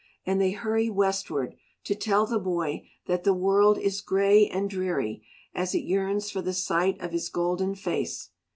And they hurry westward to tell the boy that the world is grey and dreary as it yearns for the sight of his golden face.